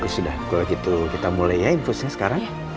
sudah gitu kita mulai ya infusnya sekarang